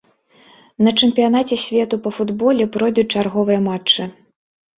На чэмпіянаце свету па футболе пройдуць чарговыя матчы.